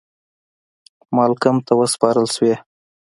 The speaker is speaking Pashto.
مالکم ته وسپارل سوې.